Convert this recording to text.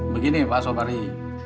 begini pak sobari